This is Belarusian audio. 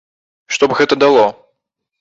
Што б гэта дало?